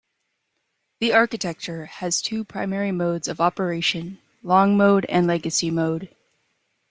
The architecture has two primary modes of operation, long mode and legacy mode.